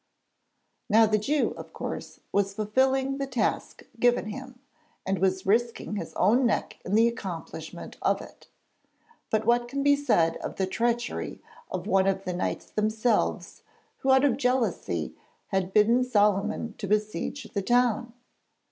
Now the Jew, of course, was fulfilling the task given him, and was risking his own neck in the accomplishment of it. But what can be said of the treachery of one of the Knights themselves who out of jealousy had bidden Solyman to besiege the town?